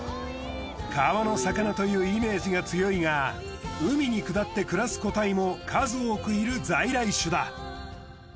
川の魚というイメージが強いが海に下って暮らす個体も数多くいる在来種だ。